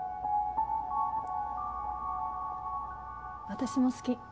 私も好き。